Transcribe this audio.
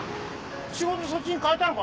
仕事そっちに変えたのか？